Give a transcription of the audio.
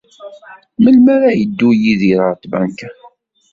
Melmi ara yeddu Yidir ɣer tbanka?